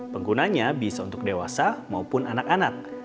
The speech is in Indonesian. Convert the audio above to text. penggunanya bisa untuk dewasa maupun anak anak